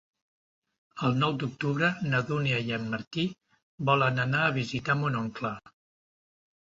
El nou d'octubre na Dúnia i en Martí volen anar a visitar mon oncle.